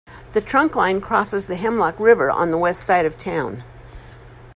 The trunkline crosses the Hemlock River on the west side of town.